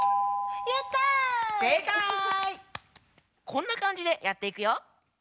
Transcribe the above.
こんなかんじでやっていくよ。